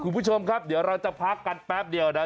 คุณผู้ชมครับเดี๋ยวเราจะพักกันแป๊บเดียวนะ